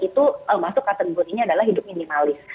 itu masuk ke atas dunia adalah hidup minimalis